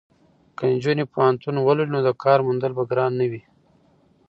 که نجونې پوهنتون ولولي نو د کار موندل به ګران نه وي.